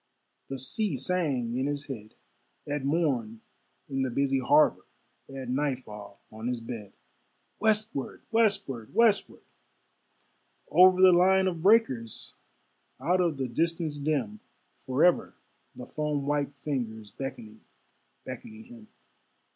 The sea sang in his head, At morn in the busy harbor, At nightfall on his bed Westward! westward! westward! Over the line of breakers, Out of the distance dim; Forever the foam white fingers Beckoning, beckoning him.